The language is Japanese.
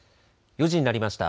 ４時になりました。